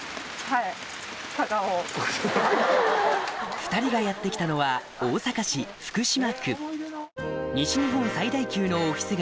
２人がやって来たのは大阪市福島区西日本最大級のオフィス街